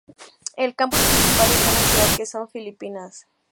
El campus principal está en la Ciudad Quezón, Filipinas.